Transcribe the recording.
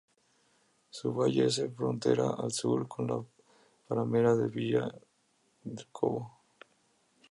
Su valle hace frontera al sur con la paramera de Villar del Cobo.